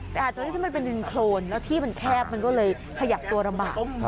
แต่อาจจะที่มันเป็นดินโครนแล้วที่มันแคบมันก็เลยขยับตัวลำบาก